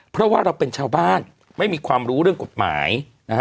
เพราะว่าเราเป็นชาวบ้านไม่มีความรู้เรื่องกฎหมายนะฮะ